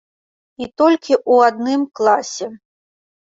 І толькі ў адным класе.